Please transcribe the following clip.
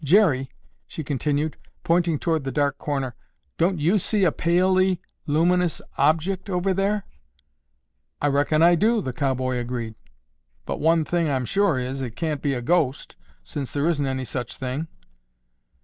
"Jerry," she continued, pointing toward the dark corner, "don't you see a palely luminous object over there?" "I reckon I do," the cowboy agreed. "But one thing I'm sure is, it can't be a ghost since there isn't any such thing."